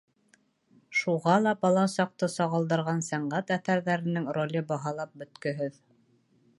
Шуға ла бала саҡты сағылдырған сәнғәт әҫәрҙәренең роле баһалап бөткөһөҙ.